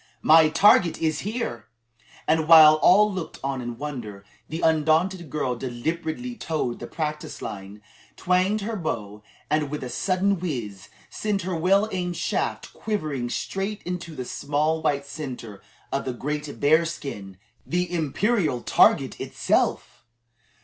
"My target is here!" and while all looked on in wonder, the undaunted girl deliberately toed the practice line, twanged her bow, and with a sudden whiz, sent her well aimed shaft quivering straight into the small white centre of the great bearskin the imperial target itself!